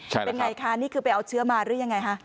เป็นไงคะนี่คือไปเอาเชื้อมาหรือยังไงคะ